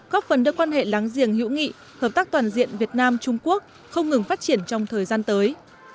góp phần đưa quan hệ láng giềng hữu nghị hợp tác toàn diện việt nam trung quốc không ngừng phát triển trong thời gian tới